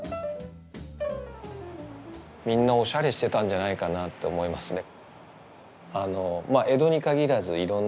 みんなおしゃれしてたんじゃないかと思いますね。